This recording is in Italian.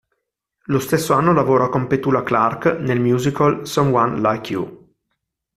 Lo stesso anno lavora con Petula Clark nel musical "Someone Like You".